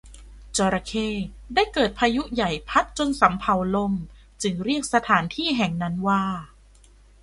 จระเข้ได้เกิดพายุใหญ่พัดจนสำเภาล่มจึงเรียกสถานที่แห่งนั้นว่า